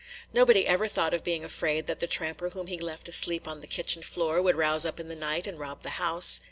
Nobody ever thought of being afraid that the tramper whom he left asleep on the kitchen floor would rouse up in the night and rob the house.